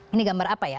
ini gambar apa ya